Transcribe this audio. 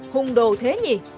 hùng đồ thế nhỉ